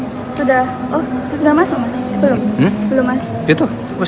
sudah oh sudah masuk belum belum mas